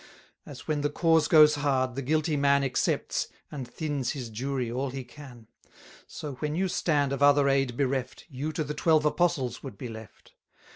As when the cause goes hard, the guilty man Excepts, and thins his jury all he can; So when you stand of other aid bereft, You to the Twelve Apostles would be left.